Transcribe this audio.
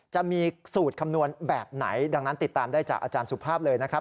จะมีสูตรคำนวณแบบไหนดังนั้นติดตามได้จากอาจารย์สุภาพเลยนะครับ